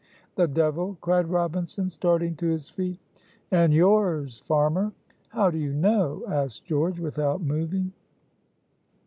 "The devil," cried Robinson, starting to his feet. "And yours, farmer." "How do you know?" asked George, without moving.